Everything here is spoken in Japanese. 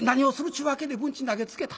ちゅうわけで文鎮投げつけた。